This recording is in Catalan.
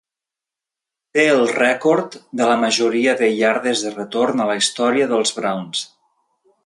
Té el rècord de la majoria de iardes de retorn a la història dels Browns.